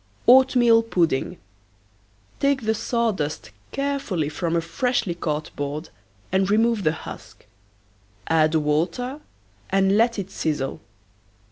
OATMEAL PUDDING. Take the sawdust carefully from a freshly caught board and remove the husks. Add water and let it sizzle.